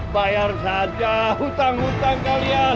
bayar saja hutang hutang kalian